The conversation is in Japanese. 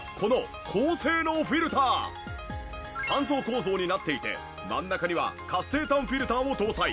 ３層構造になっていて真ん中には活性炭フィルターを搭載。